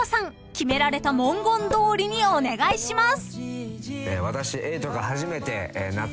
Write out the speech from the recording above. ［決められた文言どおりにお願いします］